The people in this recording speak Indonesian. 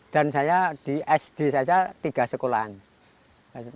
dan saya di sd saja tiga sekolahan